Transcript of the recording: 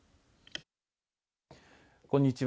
こんにちは。